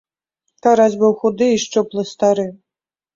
Карась быў худы і шчуплы стары.